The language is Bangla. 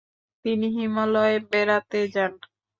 তিনি হিমালয় বেড়াতে যান ।